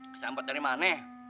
kesambet dari mana